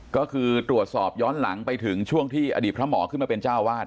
ก็คือตรวจสอบย้อนหลังไปถึงช่วงที่อดีตพระหมอขึ้นมาเป็นเจ้าวาด